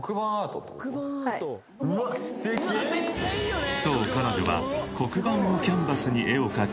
はいうわっ素敵そう彼女は黒板をキャンバスに絵を描く